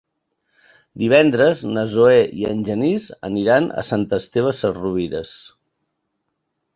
Divendres na Zoè i en Genís aniran a Sant Esteve Sesrovires.